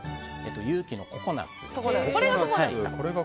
有機のココナツです。